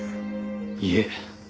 いえ。